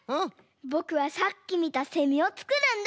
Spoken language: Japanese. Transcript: ぼくはさっきみたセミをつくるんだ。